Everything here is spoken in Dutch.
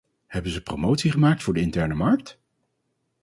Hebben ze promotie gemaakt voor de interne markt?